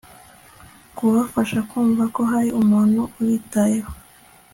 kubafasha kumva ko hari umuntu ubitayeho